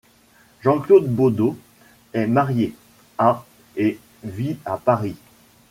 Jean-Claude Baudot est marié, a et vit à Paris.